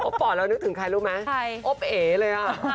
อบป๋อแล้วนึกถึงใครรู้มั้ยอบเอล์เลยอ่ะ